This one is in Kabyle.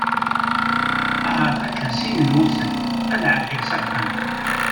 Ahat akka sin n wussan ad ɛeddiɣ axxam.